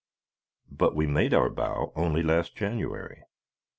_But We Made Our Bow Only Last January!